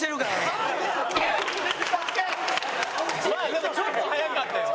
でもちょっと速かったよ。